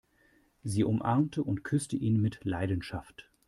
Sie umarmte und küsste ihn mit Leidenschaft.